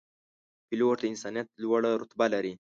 پیلوټ د انسانیت لوړه رتبه لري.